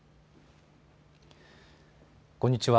こんにちは。